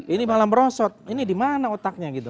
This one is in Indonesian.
ini malam rosot ini dimana otaknya gitu